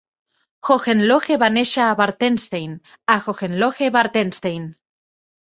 Hohenlohe va néixer a Bartenstein, a Hohenlohe-Bartenstein.